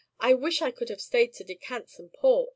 I wish I could have stayed to decant some port."